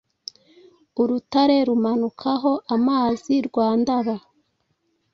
Urutare rumanukaho amazi rwa Ndaba,